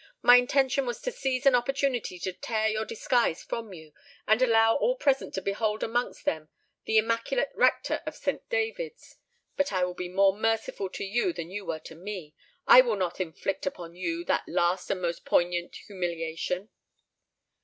My intention was to seize an opportunity to tear your disguise from you, and allow all present to behold amongst them the immaculate rector of Saint David's. But I will be more merciful to you than you were to me: I will not inflict upon you that last and most poignant humiliation!"